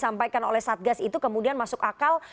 yang disampaikan oleh satgas itu kemudian masuk akal